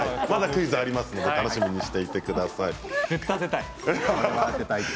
まだクイズがありますので楽しみにしていてください。